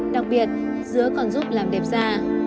đặc biệt dứa còn giúp làm đẹp da